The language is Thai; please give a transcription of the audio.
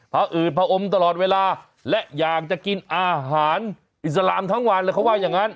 อืดผอมตลอดเวลาและอยากจะกินอาหารอิสลามทั้งวันเลยเขาว่าอย่างนั้น